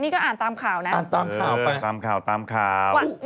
ก็อ่านตามข่าวนะ